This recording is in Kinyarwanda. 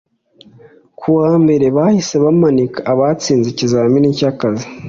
Kuwa mbere bahise bamanika abatsinze ikizamini cy’akazi